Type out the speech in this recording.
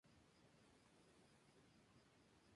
Publicó relatos y poemas en húngaro desde el extranjero.